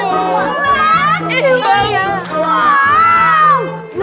luar biasa pesantren